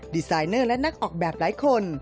ดีไซนเนอร์และนักออกแบบหลายคน